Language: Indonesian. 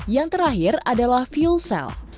yang terakhir adalah fuel cell